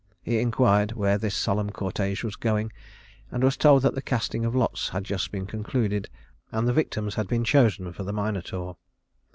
He inquired where this solemn cortège was going, and was told that the casting of lots had just been concluded and the victims had been chosen for the Minotaur.